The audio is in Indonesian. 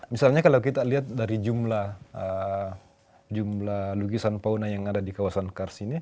misalnya kalau kita lihat dari jumlah lukisan fauna yang ada di kawasan kars ini